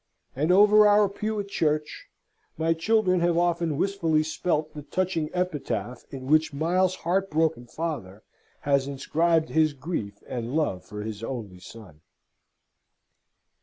And over our pew at church, my children have often wistfully spelt the touching epitaph in which Miles's heartbroken father has inscribed his grief and love for his only son.